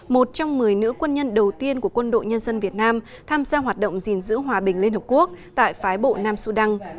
một trong một mươi nữ quân nhân đầu tiên của quân đội nhân dân việt nam tham gia hoạt động gìn giữ hòa bình liên hợp quốc tại phái bộ nam sudan